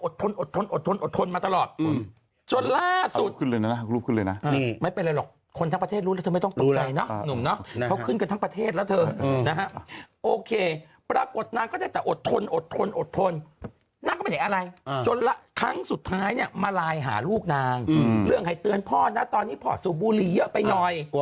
โอ้ยโอ้ยโอ้ยโอ้ยโอ้ยโอ้ยโอ้ยโอ้ยโอ้ยโอ้ยโอ้ยโอ้ยโอ้ยโอ้ยโอ้ยโอ้ยโอ้ยโอ้ยโอ้ยโอ้ยโอ้ยโอ้ยโอ้ยโอ้ยโอ้ยโอ้ยโอ้ยโอ้ยโอ้ยโอ้ยโอ้ยโอ้ยโอ้ยโอ้ยโอ้ยโอ้ยโอ้ยโอ้ยโอ้ยโอ้ยโอ้ยโอ้ยโอ้ยโอ้ยโ